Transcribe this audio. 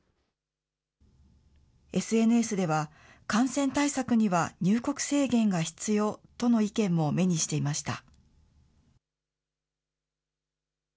ＳＮＳでは、感染対策には入国制限が必要との意見も目にしていました。